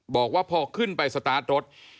บอกว่าพอขึ้นไปสตาร์ทรถ